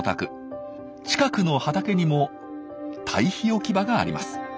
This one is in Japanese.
近くの畑にも堆肥置き場があります。